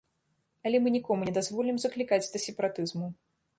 Але мы нікому не дазволім заклікаць да сепаратызму.